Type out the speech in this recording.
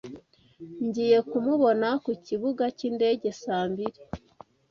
Ngiye kumubona ku kibuga cyindege saa mbiri.